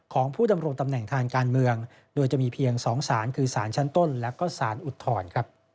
ของผู้ดำรงตำแหน่งทางการเมืองโดยจะมีเพียง๒สารคือสารชั้นต้นและก็สารอุทธรณ์